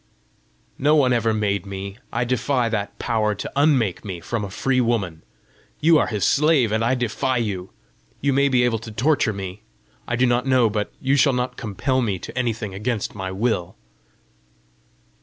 "No one ever made me. I defy that Power to unmake me from a free woman! You are his slave, and I defy you! You may be able to torture me I do not know, but you shall not compel me to anything against my will!"